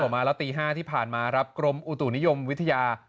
มาแล้วตี๕ที่ผ่านมาครับกรมอุตุนิยมวิทยา